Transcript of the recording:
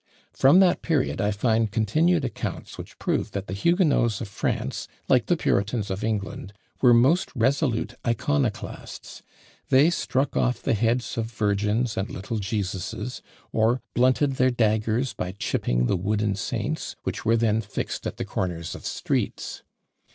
From that period I find continued accounts which prove that the Huguenots of France, like the Puritans of England, were most resolute iconoclasts. They struck off the heads of Virgins and little Jesuses, or blunted their daggers by chipping the wooden saints, which were then fixed at the corners of streets.